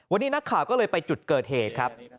วันนี้นักข่าวก็เลยไปจุดเกิดเหตุครับ